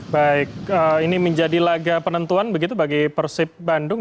baik ini menjadi laga penentuan begitu bagi persib bandung